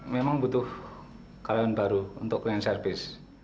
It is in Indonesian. memang butuh karyawan baru untuk clean service